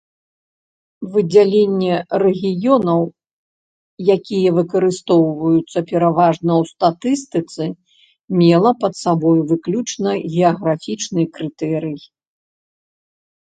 Выдзяленне рэгіёнаў, якія выкарыстоўваюцца пераважна ў статыстыцы, мела пад сабою выключна геаграфічны крытэрый.